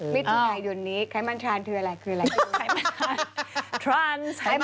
มิดถุงทายหยุ่นนี้ไขมันทรานคืออะไร